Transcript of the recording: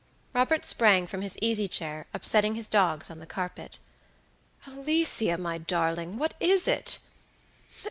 Robert sprang from his easy chair, upsetting his dogs on the carpet. "Alicia, my darling, what is it?"